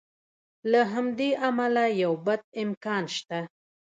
له همدې امله یو بد امکان شته.